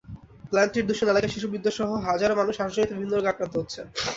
প্ল্যান্টটির দূষণে এলাকার শিশু-বৃদ্ধসহ হাজারো মানুষ শ্বাসজনিত বিভিন্ন রোগে আক্রান্ত হচ্ছে।